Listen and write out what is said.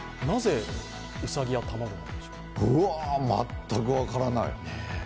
全く分からない。